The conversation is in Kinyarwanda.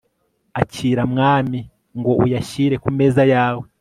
akira, mwami), ngo uyashyire ku meza yawe